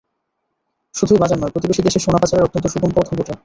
শুধুই বাজার নয়, প্রতিবেশী দেশে সোনা পাচারের অত্যন্ত সুগম পথও বটে।